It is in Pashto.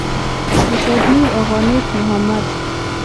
رشاد نورآغا نیک محمد